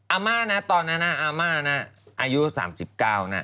อาม่านะตอนนั้นอาม่านะอายุ๓๙นะ